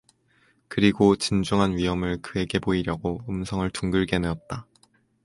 그리고 진중한 위엄을 그에게 보이려고 음성을 둥글게 내었다.